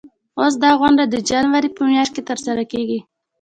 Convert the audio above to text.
اوس دا غونډه د جنوري په میاشت کې ترسره کیږي.